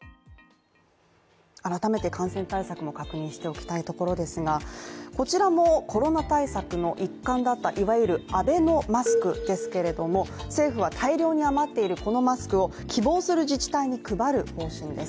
改めて感染対策も確認しておきたいところですが、こちらもコロナ対策の一環だった、いわゆるアベノマスクですけれども、政府は大量に余っているこのマスクを希望する自治体に配る方針です。